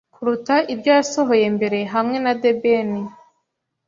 kuruta ibyo yasohoye mbere Hamwe na The Men